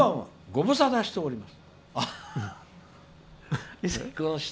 ご無沙汰しております。